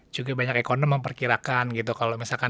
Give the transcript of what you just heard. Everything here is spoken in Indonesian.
juga banyak ekonom memperkirakan gitu kalau misalkan